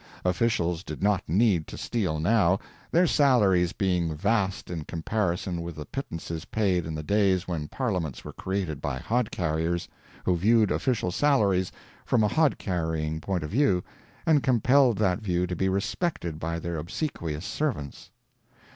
Officials did not need to steal now, their salaries being vast in comparison with the pittances paid in the days when parliaments were created by hod carriers, who viewed official salaries from a hod carrying point of view and compelled that view to be respected by their obsequious servants.